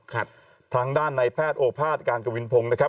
ทางด้านในแพทย์โอภาษการกวินพงศ์นะครับ